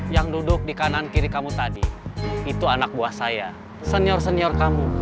yang duduk di kanan kiri kamu tadi itu anak buah saya senior senior kamu